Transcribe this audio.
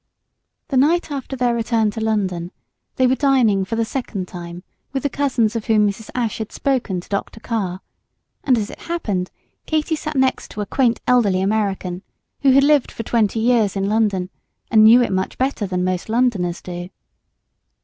The night after their return to London they were dining for the second time with the cousins of whom Mrs. Ashe had spoken to Dr. Carr; and as it happened Katy sat next to a quaint elderly American, who had lived for twenty years in London and knew it much better than most Londoners do.